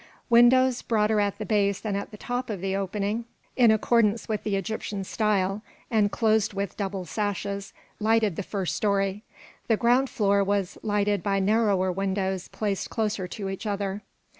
Windows broader at the base than at the top of the opening, in accordance with the Egyptian style, and closed with double sashes, lighted the first story. The ground floor was lighted by narrower windows placed closer to each other.